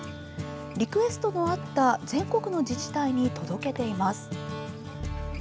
リクエストのあった全国の自治体に届けています。